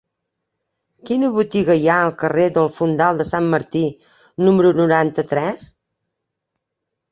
Quina botiga hi ha al carrer del Fondal de Sant Martí número noranta-tres?